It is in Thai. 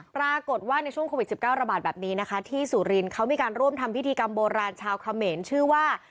ปรากฏว่าในช่วงโควิด๑๙ระบาดแบบนี้นะคะที่สุรินทร์เขามีการร่วมทำพิธีกรรมโบราณชาวเขมรชื่อว่า